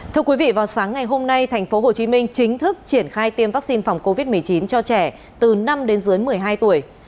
thưa quý vị vào sáng ngày hôm nay tp hcm chính thức triển khai tiêm vaccine phòng covid một mươi chín cho trẻ từ năm đến dưới một mươi hai tuổi